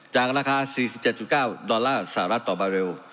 ราคา๔๗๙ดอลลาร์สหรัฐต่อบาเรล